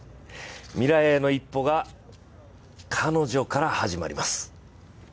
未来への一歩が彼女から始まります。